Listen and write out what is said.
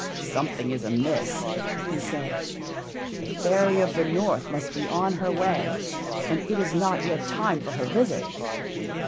"Something is amiss," he said. "The Fairy of the North must be on her way, and it is not yet time for her visit."